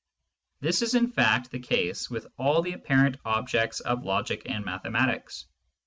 This is in fact the case with all the apparent objects of logic and mathematics.